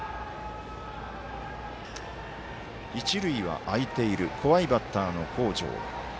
一塁は空いている怖いバッターの北條。